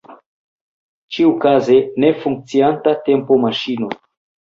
Ĉiuokaze, ne funkcianta tempomaŝino.